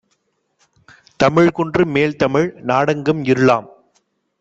தமிழ்குன்று மேல்தமிழ் நாடெங்கும் இருளாம்